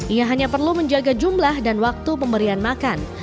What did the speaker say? ia hanya perlu menjaga jumlah dan waktu pemberian makan